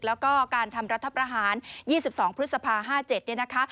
แล้วก็การทำรัฐประหาร๒๒พฤษภา๕๗เนี่ยนะคะ